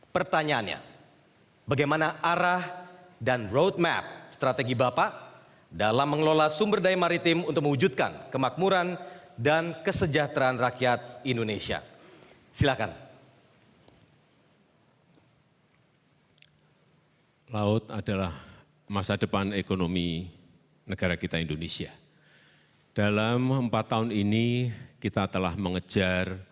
pertanyaannya bagaimana arah dan roadmap strategi bapak dalam mengelola sumber daya maritim untuk mewujudkan kemakmuran dan kesejahteraan rakyat indonesia